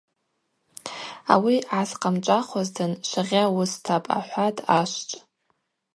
Ауи гӏасхъамчӏвахуазтын швагъьа уыстапӏ, – ахӏватӏ ашвчӏв.